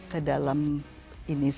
ke dalam seni batik yang luar biasa